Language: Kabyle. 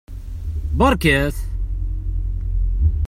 Beṛkat!